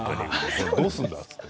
どうするんだ？って。